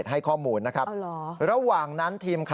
แล้วคือไง